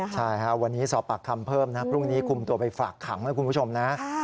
ใช่ค่ะวันนี้สอบปากคำเพิ่มนะพรุ่งนี้คุมตัวไปฝากขังนะคุณผู้ชมนะ